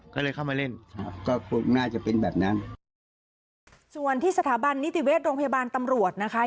ก็เลยเข้ามาเล่นครับก็น่าจะเป็นแบบนั้นส่วนที่สถาบันนิติเวชโรงพยาบาลตำรวจนะคะ